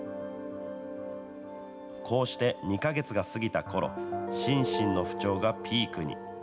こうして２か月が過ぎたころ、心身の不調がピークに。